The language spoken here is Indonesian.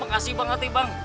makasih banget bang